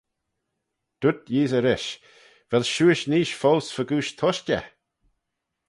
Dooyrt Yeesey rish, Vel shiuish neesht foast fegooish tushtey?